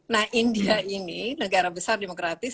nah india ini negara besar demokratis